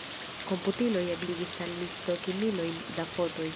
Komputiloj ebligis al ni stoki milojn da fotoj.